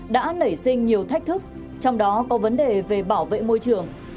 đã nảy sinh nhiều thách thức trong đó có vấn đề về bảo vệ môi trường